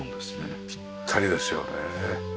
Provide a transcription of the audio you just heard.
ピッタリですよね。